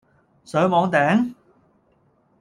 上網訂?